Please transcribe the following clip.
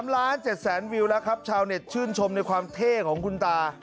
๓ล้าน๗แสนวิวแล้วครับชาวเน็ตชื่นชมในความเท่ของคุณตา